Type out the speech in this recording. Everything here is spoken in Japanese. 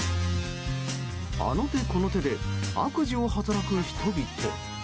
あの手この手で悪事を働く人々。